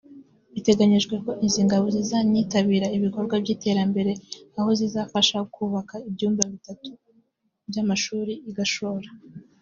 Biteganyijwe ko izi ngabo zizanitabira ibikorwa by’iterambere aho zizafasha mu kubaka ibyumba bitatu by’amashuri i Gashora